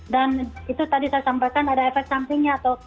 dan itu tadi saya sampaikan ada efek sampingnya tuh